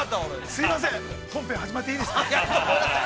◆すみません、本編、始めていいですか。